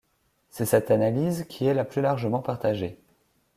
C'est cette analyse qui est la plus largement partagée.